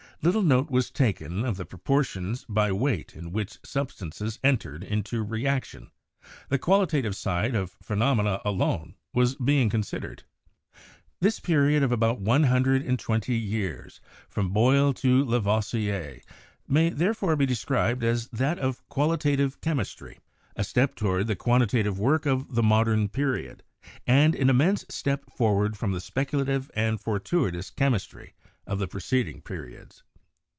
Little note was taken of the proportions by weight in which sub stances entered into reaction, the qualitative side of phenomena alone being considered. This period of about one hundred and twenty years, from Boyle to Lavoisier, may therefore be described as that of Qualitative Chemistry — a step toward the quan titative work of the Modern Period, and an immense step forward from the speculative and fortuitous chemis 90 CHEMISTRY try of the preceding periods.